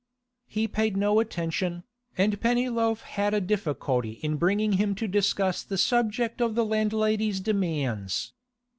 He paid no attention, and Pennyloaf had a difficulty in bringing him to discuss the subject of the landlady's demands.